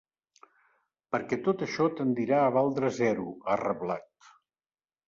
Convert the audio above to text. Perquè tota això tendirà a valdre zero, ha reblat.